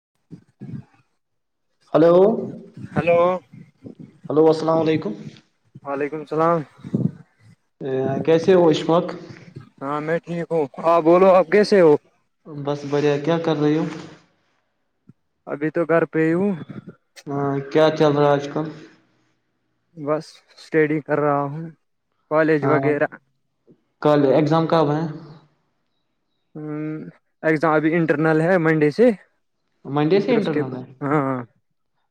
[inaudible] Hello hello hello السلام علیکم ہ وعلیکم السلام کیسے ہو اشفق ہاں میں ٹھیک ہوں آپ بولو آپ کیسے ہو بس بڑھیا کیا کر رہے ابھی تو گھر میں ہی ہوں کیا چل رہا ہے آج کل بس اسٹڈی کر رہا ہوں کالج ا وغیرہ کل ایگزام کب ہے ہ اگزام ابھی انٹرنل ہے منڈے سے منڈے سے پھر اس کے انٹرن ہے ہاں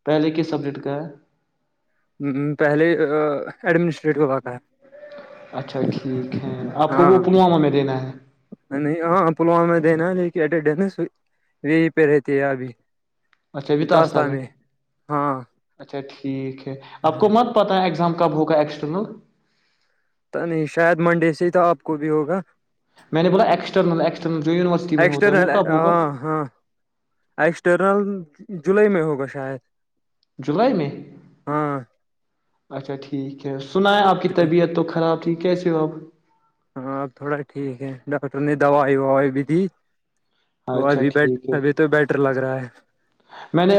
پہلے کس سبجیکٹ کا ک پہلے ایڈمنسٹریٹ واقع ہے اچھا ٹھیک ہے آپ کو وہ ہاں پلوامہ میں دینا ہے رہین ل اٹینڈنس یہیں پہ رہتی ہے ابھی اچھا بھی توستا میں ہاں اچھا ٹیک آپ کو ہاں مت پت ہے ایگزامپل کب ہوگا ایکسٹرنل تو نہیں شاید منڈے سے ہی تو آپ کو بھی ہوگا میں نے بولا ایکسٹرنل ایکسٹرنل جو یونیورسٹی میں ہوتا ہے وہ ایکسٹرنل کب ہوگا ہاں ہاں ایکسٹرنل جولائی میں ہوگا شاید جولائی میں ہاں اچھا ٹھیک ٹھیک ہے سنا ہے اپکی طبیعت خراب ٹھیک ہے سے اب ہاں اب تھوڑا ٹھیک ہے ڈاکٹر نے دوائی وائی بھی دی وہ اچھا ابھی بیٹ ٹھیک ہے ابھی تو بیٹر لگ رہا ہے میں نے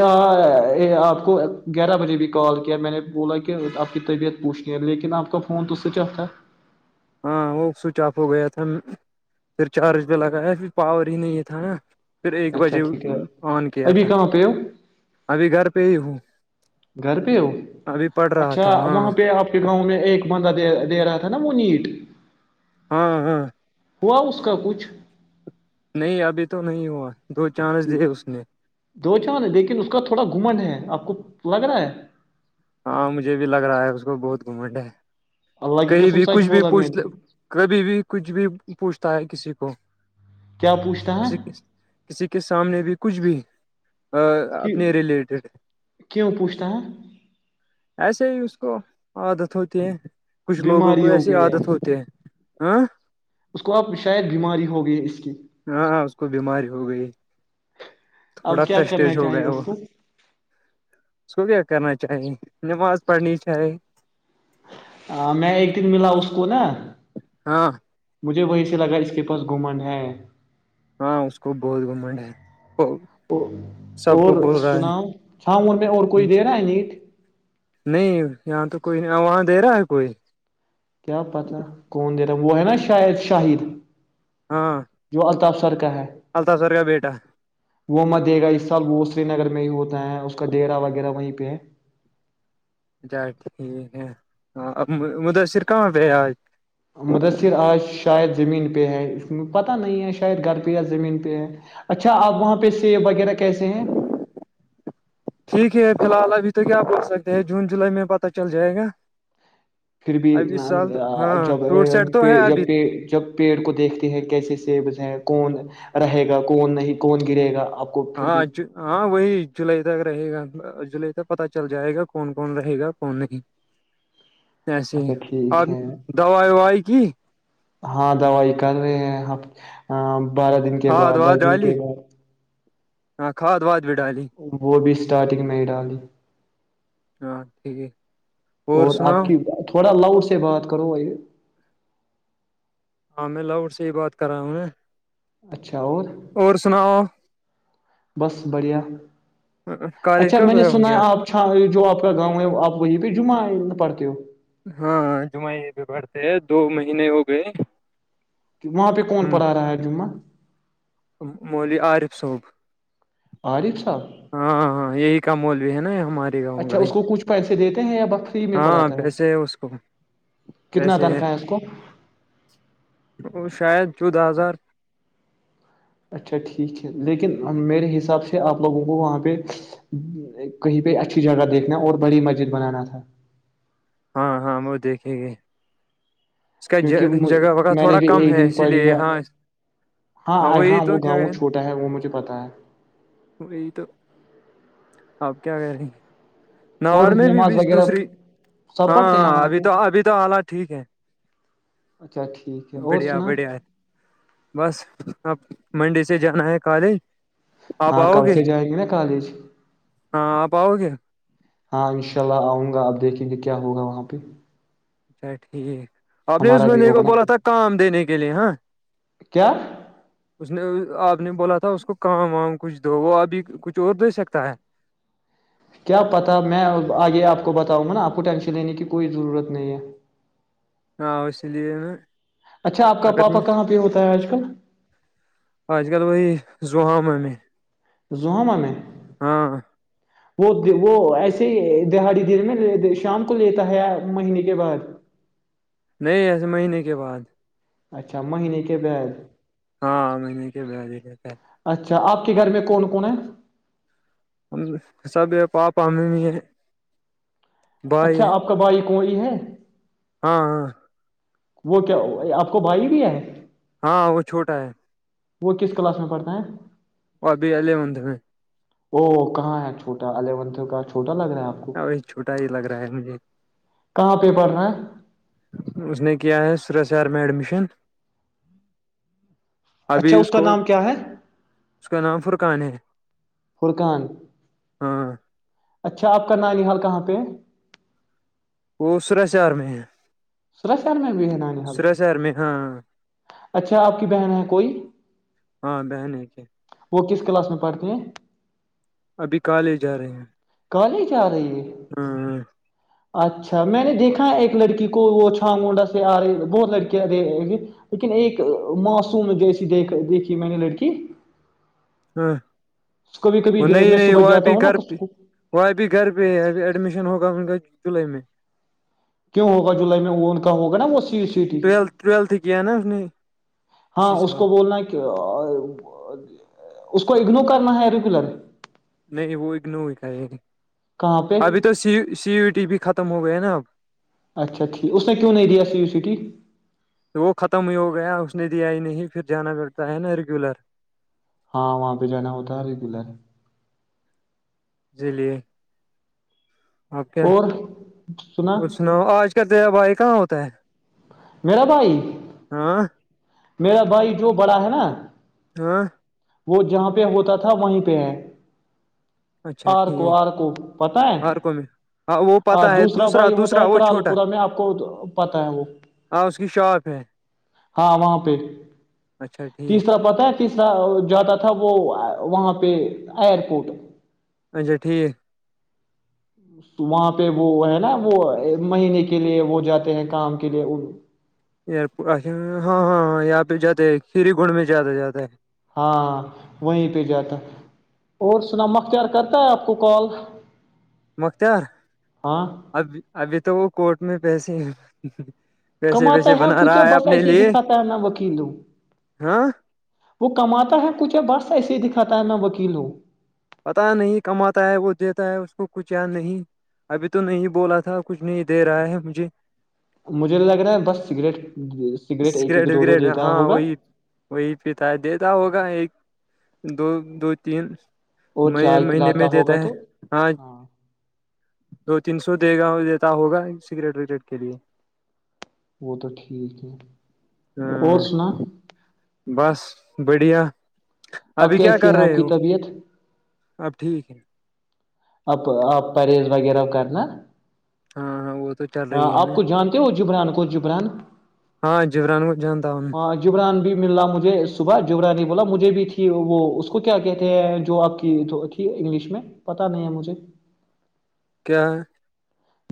آپ کو گیارہ بجے بھی کال کیا میں نے بولا کہ آپ کی طبیعت پوچھنی ہے لیکن آپ کا فون تو سوئچ آف تھا ہاں وہ سوئچ آف ہو گیا تھا پھر چارج پہ لگایا پھر پاور ہی نہیں تھا نا پھر ایک اچھا بجے ٹھیک ہے آن کیا ابھی تھا کہاں پہ ہو ابھی گھر پہ ہی ہوں گھر پہ ہو ابھی پڑھ رہا اچھا تھا ہاں وہاں پہ آپ کے گاؤں میں ایک بندہ د دے رہا تھا نا وہ نیٹ ہاں ہاں ہوا اس کا کچھ نہیں ابھی تو نہیں ہوا دو چانس دیے اس نے دو چان لیکن اس کا تھوڑا گھمن ہے اپ آ کو لگ رہا ہے ہاں مجھے بھی لگ رہا ہے اس کو بہت گھومن ہے اللہ کی کہئی قسم بھی سچ کچھ بھی بولا میں پوچھ نے کبھی بھی کچھ بھی پوچھتا ہے کسی کو کیا پوچھتا ہے کسی کسی کے سامنے بھی کچھ بھی کہ اپنے ریلیٹڈ ہے کیوں پوچھتا ہے ایسے ہی اس کو عادت ہوتی ہے کچھ لوگوں کو بیماری ہو ایسی گئی ہے اب عادت ہوتی ہاں اس کو اپ شاید بیماری ہو گئی ہے اس کی ہاں اس کو بیماری ہو گئی تھوڑا اب کیا فرسٹیج کرنا ہو چاہیے گیا وہ اس کو اس کو کیا کرنا چاہیے نماز پڑھنی چاہے ہ میں ایک دن ملا اس کو نا ہاں مجھے وہی سے لگا اس کے پاس گھومن ہے ہاں اس کو بہت گھمنڈ ہے وہ سب اور کو بول رہا ہے سناؤ شام من میں اور کوئی دے رہا ہے نیٹ نہیں یہاں تو کوئی نہیں آواں دے رہا ہے کوئی کیا پتا کون دے رہا وہ ہے نا شاہید شاہد ہاں جو الطاف کا ہے الطاف سر کا بیٹا وہ مت دے گا اس سال وہ سری نگر کے میں ہی ہوتا ہے اس کا ڈرا وغیرہ وہیں پہ ہے اچھا ٹھیک ہے مدسر کہاں پہ ہے آج مدثر آج شاید زمین پہ ہے اس پتہ نہیں ہے شاید گھر پہ یا زمین پہ ہے اچھا آپ وہاں پہ سیب وغیرہ کیسے ہیں ٹھیک ہے فی الحال ابھی تو کیا بول سکتے ہیں جون جولائی میں پت چل جائے گا پھر بھی اب اس سال ہاں جب فروٹ سیٹ تو ہے ابھی جب جب پیڑ کو دیکھتے ہیں کیسے سے کون رہے گا کون نہیں کون گرے گا آپ کو پھر بھی ہاں ہاں وہی جولائی تک رہے گا جولائی تک پتا چل جائے گا کون کون رہے گا کون نہیں ایسے ہی اچھا ٹھیک آپ ہے دوائی وائی کی ہاں دوائی کر رہے ہیں ا [inaudible] بارہ دن کے کھاد بعد دس واد دن ڈالی کے بعد ہاں کھاد ود وہ بھی اسٹارٹنگ میں ڈای ہاں ٹھیک اور آپ کی تھوڑا لاؤڈ سے بات کرو آ ہاں میں لاؤڈ سے ہی بات کر رہا ہوں ن اچھا اور اور سناؤ بس بڑھیا کالج اچھا کب میں نے گئے ہوں سنا گے ہے اب آپا جو آپ کا گاؤں ہے آپ وہیں پہ جمع ہے پرڑتیو ہاں جمعہ یہ پ بڑھتے ہیں دو مہینے ہو گئے کہ وہاں پہ کون پڑھا رہا ہے جممہ مولی عارف صاب عارف صاحب ہاں ہاں یہی کا مولوی ہے نا ہمارے گاؤں اچھا کا ہی اس کو کچھ پیسے دےتے [unintelligible] ہاں پیسے ہے اس کو کتنا پیسے ہے تنخواہ اس کو وہ شاید چودہ ہزار اچھا ٹھیک ہے لیکن میرے حساب سے آپ لوگوں کو وہاں پہ کہیں پہ اچھی جگہ دیکھنا اور بڑی مسجد بنانا تھا ہاں ہاں م دیکھے گ کیونکہ میں نے بھی ایک ہے دن اسی پڑھی لیے ہے ہاں ہاں وہی ہاں وہ تو جگہ گاؤں چھوٹا ہے وہ مجھے پتا ہے وہی تو آپ کیا کر رہیں گے اور نوڈ میں نماز بھی وغیرہ دوسری سب ہاں پڑھتے ہیں ہاں وہاں ابھی پہ تو ابھی تو حالات ٹھیک ہے اچھا ٹھیک ہے اور بڑیا سنا بڑھیا ہے بس اب منڈے سے جانا ہے کالج آپ ہاں آؤ کل گے سے جائیں نا کالج ہاں آپ آؤ گے ہاں انشاء اللہ آؤں گا آپ دیکھیں گے کیا ہوگا وہاں پہ اچھا ٹھیک آپ نے اس ہمارا میں بھی نے کو ہوگا نا بولا تھا کام دینے کے گ لیے ہاں کیا [unintelligible] آپ نے بولا تھا اس کو کام وام کچھ دو وہ ابھی کچھ اور دے سکتا ہے کیا پتا میں آگے آپ کو بتاؤں گا نا آپ کو ٹینشن لینے کی کوئی ضرورت نہیں ہے ہ آوش لے اچھا آپ کا اگر پاپا میں کہاں پہ ہوتا ہے آج کل آج کل وہی زحام ہے میں زہامہ میں ہاں وہ وہ ایسے ہی دہاڑی دیر میں شام کو لیتا ہے مہینے کے بعد نہیں ایسے مہینے کے بعد اچھا مہینے کے بد ہاں مہنے کے ب آج جتا ہے اچھا آپ کے گھر میں کون کون ہے ہم سب ہے پاپ ہم بھی ہیں اچھا آپ کا بھائی کوئی ہے ہاں ہاں وہ کیا آپ کو بھائی بھی ہے ہاں وہ چھوٹا ہے وہ کس کلاس میں پڑھتا ہیں وہ ابھی علی مند میں او کہاں ہے چھوٹا علی ونت کا چھوٹا لگ رہا ہے آپ کو ہ وہی چھوٹا ہی لگ رہا ہے مجھے کہاں پہ پڑھ رہا ہے اس نے کیا ہے ا طر سار میں ایڈمشن اچھا ابھی اس کا کو نام کیا ہے اس کا نام فرقان ہے فڑکان ہاں اچھا آپ کا نالی حال کہاں پہ وہسرا شہر میں ہے سرشن میں بھی ہے نان ہ سورا شہر میں ہاں اچھا آپ کی بہن ہے کوئی ہاں بہن ہے کیا وہ کس کا کلاس میں پڑھتی ہیں ابھی کالے جا رہے ہیں کال ہی جا رہی ہے [unintelligible] ج ہاں اچھا میں نے دیکھا ہے ایک لڑکی کو کو وہ چھاگڈا سے آ رہے بہت لڑکے رہے لیکن ایک معسوم جیسی دیک دیکھی میں نے لڑکی ہاں کبھی کبھی وہ نہیں میں نہیں صبح وہ جاتا ابھی ہوں نا گھر پہ اسکو- وہ ابھی گھر پہ ہےب ایڈمیشن ہوگا ان کا جولائی میں کیوں ہوا جولائی میں اون کا ہوگا نا وہ ی سیٹھی ٹویلتھ ٹویلتھ کیا نا اس نے ہاں اسی اس سال کو بولنا ہے کہ اس کو کو اگنور کرنا ہے ریگولر نہیں وہ اگنو ہوئی کا ہے [unintelligible] کہاں پہ ابھی تو سی سیو ٹی بھی ختم ہو گیا نا اب اچھا ٹھیک اس میں کیوں نہیں ریاسیی سٹی وہ ختم ہی ہو گیا اس ندی آئی نہیں پھر جانا پڑتا ہے نا ریگولر ہاں وہاں پہ جانا ہوتا ریگولر جی لیے آپ کیا اور سنا وہ سناؤ آج کیا د بھائک کہاں ہوتا ہے ولہا بھائی ہاں [unintelligible] میرا بھائی جو بڑا ہے نا ہاں وہ جہاں پہ ہوتا تھا وہیں پہ ہے اچھا آر کو ٹھیک آر کو پتا ہے ہر کو میں ہاں وہ اور پتا ہے دوسرا بھائی ہوتا دوسرا ہے وہ کرالو چھوٹا پورا میں آپ کو پتا ہے وہ ہاں اس کی شاپ ہے ہاں وہاں پر اچھا ٹھیک تیسرا پتا ہے تیسرا جو آتا تھا وہ وہاں پہ ایئرپورٹ اچھا ٹھیک وہاں پہ وہ ہے نا وہ مہینے کے لیے وہ جاتے ہیں کام کے لیے ہاں ہاںاں یہاں پہ جاتے کھیری گنڈ میں جیاد جاتدا ہے ہاں وہیں پہ جاتا اور سنااما اختیار کرتا ہے آپ کو کال مختار ہاں ابھی ابھی تو وہ کوٹ میں پیسے ہیں کماتا ہے کچھ یا بس ایسے ہی دکھاتا ہیں میں وکیلوں ہاں وہ کماتا ہے کچھ یا بس ایسے ہی دکھاتا ہے میں وکیلوں پتا نہیں کماتا ہے وہ دیتا ہے اس کو کچھ یار نہیں ابھی تو نہیں بولا تھا کچھ نہیں دے رہا ہے مجھے مجھے لگ رہا ہے بس سگریٹ سگریٹ ایک ایک دو دو وگریٹ دیتا ہاں ہوگا وہی وہی پیتا ہے دیتا ہوگا ایک دو دو تین اور چائے مہینے پلاتا میں دیتا ہوگا ہے تو ہاں تو تین سو دے گا دیتا ہوگا سگریٹ وگریٹ کے لیے وہ تو ٹھیک ہے اور ہ سنا بس بڑھیا اب ابھی کیا کیسی کر ہیں آپ رہے کی ہو طبیعت اب ٹھیک ہے آب آپ پرہیز وغیرہ کرنا ہاں ہاں وہ تو چل رہی ہے نا آپ کو جانتے ہو جبران کو جبران ہاں جبران کو جانتا ہوں ہ جبران بھی مل رہ مجھے صبح جبرانی بولا مجھے بھی تھی وہ اس کو کیا کہتے ہیں جو آپ کیھی انگلش میں پت پتا نہیں ہیں مجھے کیا ہیں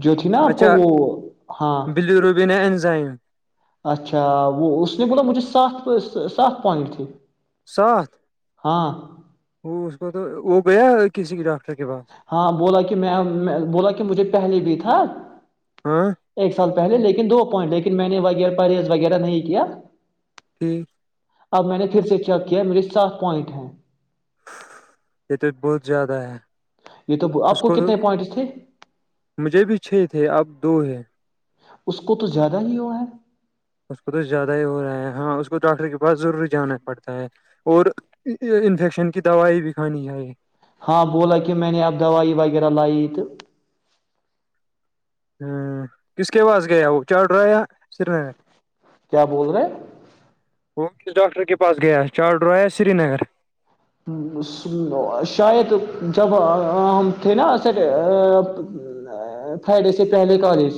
جو تھی نا آپ کو وہ ہاں بلیروبین انزائم اچھا وہ اس نے بولا مجھے سات سات پوائنٹ تھی ساتھ ہاں وہ اس کو تو وہ گیا کسی کی ڈاک ہاں بولا کہ میں بولا کہ مجھے پہلے بھی تھا ہاں ایک سال پہلے لیکن دو پوائنٹ لیکن میں نے وہ پرہیز وغیرہ نہیں کیا کٹھ اب میں نے پھر سے چ کیا میرے ساتھ پوائنٹ ہیں یہ تو بہت زیادہ ہے یہ تو آپ اس کو تو کتنے پوائنٹس تھے مجھے بھی چھ تھے اب دو ہے اس کو تو زیادہ ہی ہوا ہیں اس کو تو زیادہ ہی ہو رہا ہے ہاں اس کو ڈاکٹر کے پاس ضرور جانا پڑتا ہیں اور انفیکشن کی دوائی بھی کھانی چاہیے ہاں بولا کہ میں نے اب دوائی وغیرہ لائی تو ہوں کس کے بااز گ وہ چاھ رہا سری نگر کیا بول رہیں ہیں وہ کس ڈاکٹر کے پاس گیا چار ڈرایا سری نگر شاید جب ہم تھے نا فرائیڈے سے پہلے کالج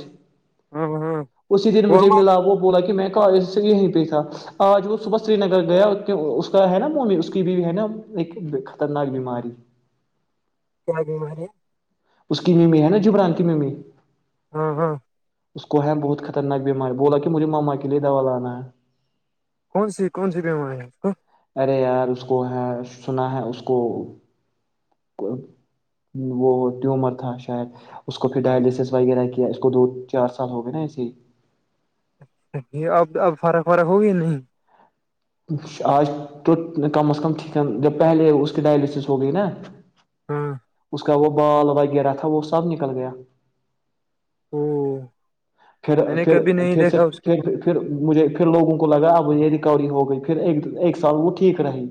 ہاں ہاں اسی دن وہ مجھے ہم ملا وہ بولا کہ میں سے یہیں پہ تھا آج وہ صبح سری نگر گیا اس کا ہے نا ممی اس کی بھی ہے نا [unintelligible] [unintelligible] اس کی میمی ہے نا جبران کی ممی [unintelligible] اس کو ہے بہت خطرناک بیماری بولا کہ مجھے ماما کے لیے دوا لانا ہے کون سی کون سی بیماری ہے [unintelligible] [unintelligible] ٹیومر تھا شاید اس کو پھر ڈائلسس وغیرہ کیا اس کو دو چار سال ہو گئے نا ایسے ہی یہ اب اب فرق فرق ہوگی نہیں آج تو کم از کم ٹھیک ہے جب پہلے اس کی ڈائلسس ہو گئی نا ہاں [unintelligible] بال وغیرہ تھا وہ سب نکل گیا [unintelligible] پھر میں نے پھر کبھی نہیں پھر سے دیکھا اس کے ساتھ۔ پھر پھر مجھے پھر لوگوں کو لگا اب یہ ریکوری ہو گئی پھر ایک ایک سال وہ ٹھیک رہی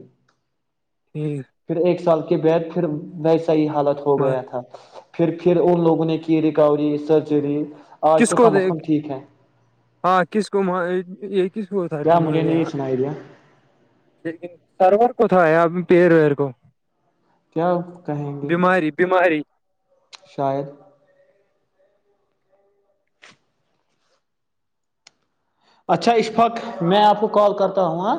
ٹھیک [unintelligible] [unintelligible] صحیح حالت ہو مار گیا تھا پھر پھر ان لوگوں نے کی ریکوری سرجری [unintelligible] [unintelligible] آج تو کم از کم ٹھیک ہے کس کو کیا مجھے تھاٹیمارے نہیں یہاں سنائی دیا لیکن سرور کو ک تھا ہے آپ پییر ویر کو کیا کہیں گے بیماری بیماری شاید اچھا اشفق میں آپ کو کال کرتا ہوں آاں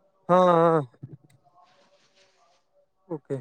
[unintelligible] اوکے